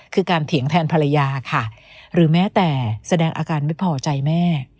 คือการเถียงแทนภรรยาค่ะหรือแม้แต่แสดงอาการไม่พอใจแม่